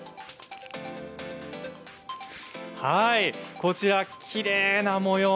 こちらきれいな模様